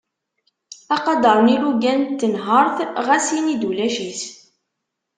Aqader n yilugan n tenhert ɣas ini-d ulac-it.